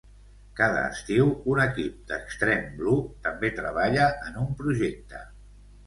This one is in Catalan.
Cada estiu, un equip d'Extreme Blue també treballa en un projecte.